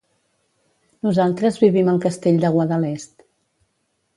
Nosaltres vivim al Castell de Guadalest.